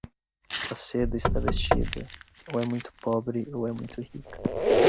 A seda está vestida, ou é muito pobre ou é muito rica.